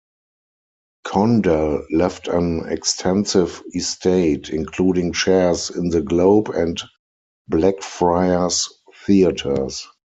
Condell left an extensive estate, including shares in the Globe and Blackfriars Theatres.